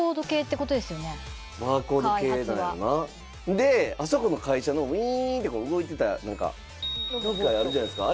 であそこの会社のウイーンって動いてた機械あるじゃないですか。